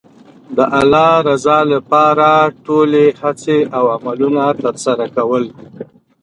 د الله رضا لپاره خپلې ټولې هڅې او عملونه ترسره کول.